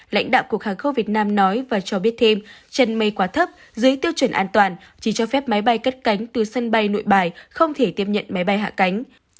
lãnh đạo cục hàng không việt nam nói và cho biết thêm chân mây quá thấp dưới tiêu chuẩn an toàn chỉ cho phép máy bay cất cánh từ sân bay nội bài không thể tiếp nhận máy bay hạ cánh